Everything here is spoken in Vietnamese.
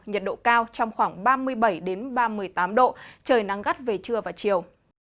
nhiệt độ cao trong khoảng ba mươi bảy ba mươi tám độ trời nắng gắt về trưa và chiều